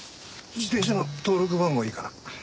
自転車の登録番号いいかな？